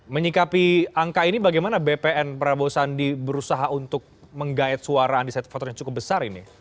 menyikapi angka ini bagaimana bpn prabowo sandi berusaha untuk menggait suara undecided voter yang cukup besar ini